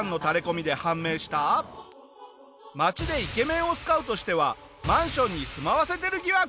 街でイケメンをスカウトしてはマンションに住まわせてる疑惑。